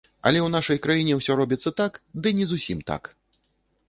Але ў нашай краіне ўсё робіцца так, ды не зусім так.